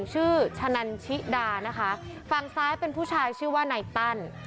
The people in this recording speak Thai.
ชื่อชะนันชิดานะคะฝั่งซ้ายเป็นผู้ชายชื่อว่านายตั้น